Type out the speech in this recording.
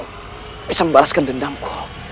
bisa membalaskan dendamku